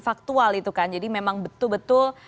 faktual itu kan jadi memang betul betul